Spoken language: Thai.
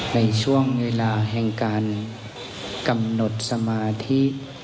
ในช่วงเวลาแห่งการกำหนดสมาธิ